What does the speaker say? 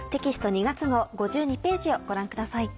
２月号５２ページをご覧ください。